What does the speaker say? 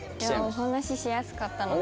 お話ししやすかったので。